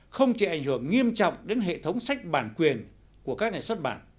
không chỉ ảnh hưởng nghiêm trọng đến hệ thống sách bản quyền của các nhà xuất bản